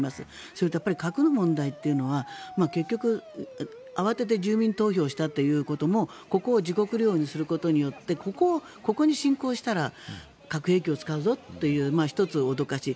それと核の問題というのは結局、慌てて住民投票したということもここを自国領にすることによってここに侵攻したら核兵器を使うぞという１つ、脅かし。